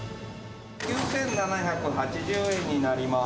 ９７８０円になります。